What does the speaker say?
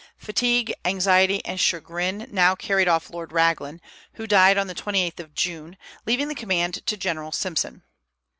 Fatigue, anxiety, and chagrin now carried off Lord Raglan, who died on the 28th of June, leaving the command to General Simpson.